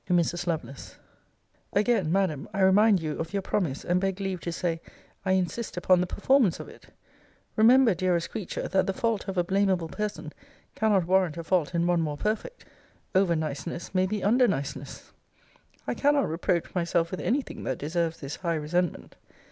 TO MRS. LOVELACE Again, Madam, I remind you of your promise: and beg leave to say, I insist upon the performance of it. Remember, dearest creature, that the fault of a blameable person cannot warrant a fault in one more perfect. Overniceness may be underniceness! I cannot reproach myself with any thing that deserves this high resentment.